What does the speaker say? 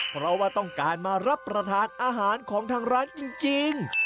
เพราะว่าต้องการมารับประทานอาหารของทางร้านจริง